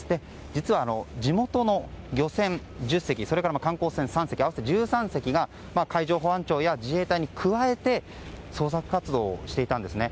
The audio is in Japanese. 実は、地元の漁船１０隻それから観光船３隻合わせて１３隻が海上保安庁や自衛隊に加わって捜索活動をしていたんですね。